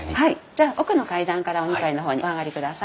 じゃ奥の階段からお２階の方にお上がりください。